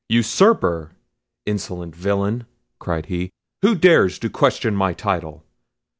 "Usurper!—insolent villain!" cried he; "who dares to question my title?